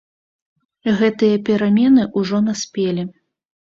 Гэтыя перамены ўжо наспелі.